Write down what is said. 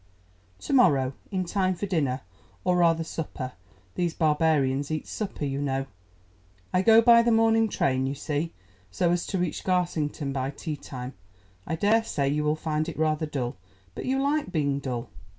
"To morrow, in time for dinner, or rather supper: these barbarians eat supper, you know. I go by the morning train, you see, so as to reach Garsington by tea time. I daresay you will find it rather dull, but you like being dull.